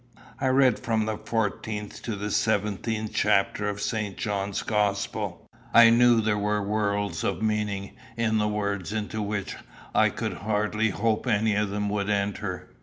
I read from the fourteenth to the seventeenth chapter of St. John's Gospel. I knew there were worlds of meaning in the words into which I could hardly hope any of them would enter.